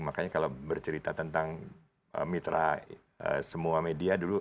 makanya kalau bercerita tentang mitra semua media dulu